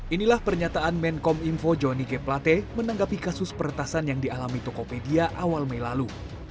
inilah pernyataan menkom info johnny g plate menanggapi kasus peretasan yang dialami tokopedia awal mei lalu